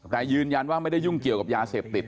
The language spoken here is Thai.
แต่ยืนยันว่าไม่ได้ยุ่งเกี่ยวกับยาเสพติด